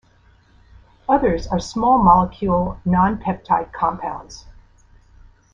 Others are small-molecule, non-peptide compounds.